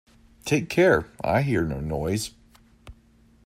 Take care I hear no noise.